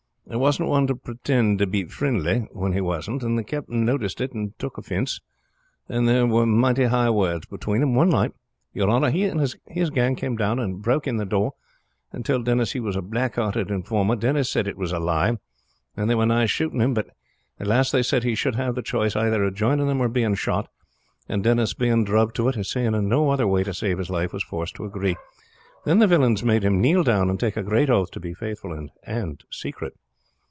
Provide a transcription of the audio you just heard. He wasn't one to pretind to be frindly when he wasn't, and the captain noticed it and took offince, and there were mighty high words between them. One night, your honor, he and his gang came down and broke in the door, and tould Denis he was a black hearted informer, Denis said it was a lie, and they were nigh shooting him, but at last they said he should have the choice either of joining them or of being shot; and Denis, being druv to it, and seeing no other way to save his life, was forced to agree. Then the villains made him kneel down and take a great oath to be faithful and secret.